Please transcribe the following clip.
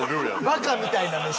バカみたいなメシ。